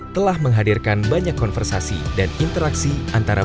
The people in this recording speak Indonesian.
telah menghadirkan banyak konversasi dan interaksi antara bank indonesia dengan masyarakat